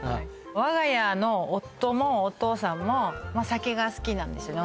我が家の夫もお父さんも酒が好きなんですよね